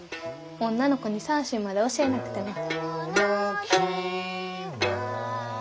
女の子に三線まで教えなくても。